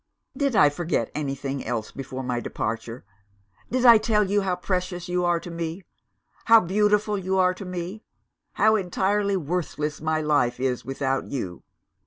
"Did I forget anything else before my departure? Did I tell you how precious you are to me? how beautiful you are to me? how entirely worthless my life is without you?